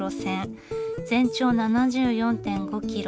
全長７４．５キロ。